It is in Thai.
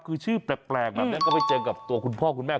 คือชื่อแปลกแบบนี้ก็ไปเจอกับตัวคุณพ่อคุณแม่